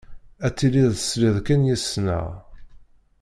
Ad tiliḍ tesliḍ kan yes-sneɣ.